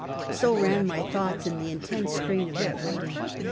So ran my thoughts in the intense strain of that waiting.